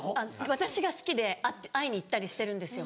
私が好きで会いに行ったりしてるんですよ。